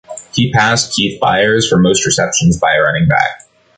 He passed Keith Byars for most receptions by a running back.